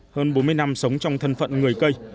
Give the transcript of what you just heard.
hơn bốn mươi năm sống trong thân phận người cây